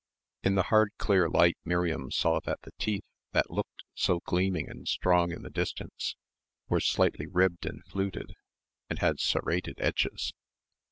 In the hard clear light Miriam saw that the teeth that looked so gleaming and strong in the distance were slightly ribbed and fluted and had serrated edges.